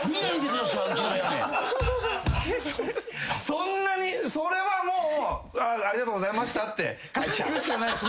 そんなにそれはもうありがとうございましたって言うしかないです。